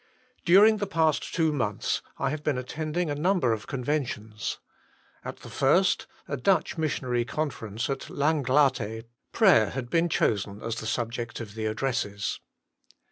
During the past two months I have been attend ing a number of Conventions. At the first, a 9 10 THE MINISTRY OF INTERCESSION Dutch Missionary Conference at Langlaagte, Prayer had been chosen as the subject of the addresses.